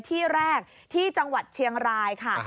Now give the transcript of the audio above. ที่แรกที่จังหวัดเชียงรายค่ะ